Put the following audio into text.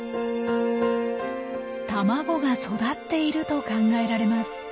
卵が育っていると考えられます。